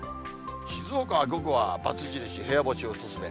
静岡は午後はばつ印、部屋干しお勧め。